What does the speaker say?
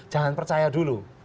jangan percaya dulu